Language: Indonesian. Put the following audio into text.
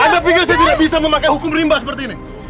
anda pikir saya tidak bisa memakai hukum rimba seperti ini